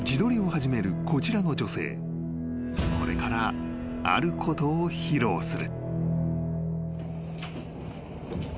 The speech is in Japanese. ［これからあることを披露する］